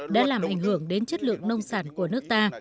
đã làm ảnh hưởng đến chất lượng nông sản của nước ta